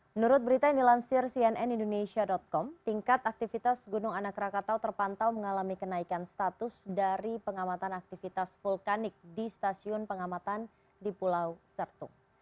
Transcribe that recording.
menurut berita yang dilansir cnn indonesia com tingkat aktivitas gunung anak rakatau terpantau mengalami kenaikan status dari pengamatan aktivitas vulkanik di stasiun pengamatan di pulau sertu